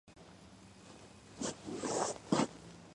აღნიშნულ ადგილას ნატრიუმის იონების რეაბსორბცია პასიურ ხასიათს ატარებს.